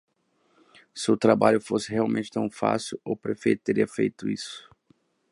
Se o trabalho fosse realmente tão fácil, o prefeito teria feito isso.